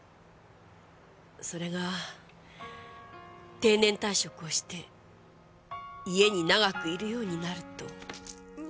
それが定年退職をして家に長くいるようになると。